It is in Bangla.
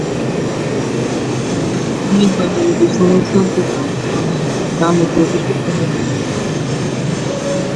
প্রাথমিকভাবে একটি সমাজতান্ত্রিক আন্দোলনের নামে প্রতিষ্ঠিত হয়েছিল।